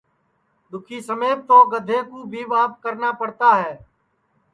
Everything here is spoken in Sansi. دُؔکھی سمیپ تو گدھے کُو بھی ٻاپ کرنا پڑتا ہے